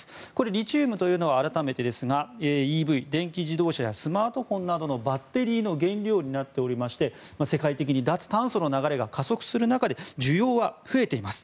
リチウムというのは改めてですがＥＶ・電気自動車やスマートフォンなどのバッテリーの原料になっておりまして世界的に脱炭素の流れが加速する中で需要が増えています。